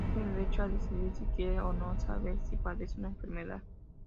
Éste tiene derecho a decidir si quiere o no saber si padece una enfermedad.